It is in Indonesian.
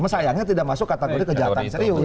sayangnya tidak masuk kategori kejahatan serius